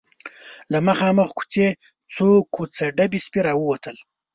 له مخامخ کوڅې څو کوڅه ډب سپي راووتل.